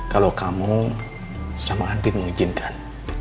kalau kamu sama anti mengizinkan